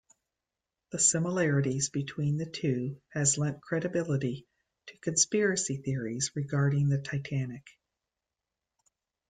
The similarities between the two has lent credibility to conspiracy theories regarding the Titanic.